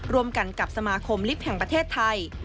ร่วมกันกับสมาคมลิฟต์แห่งประเทศไทย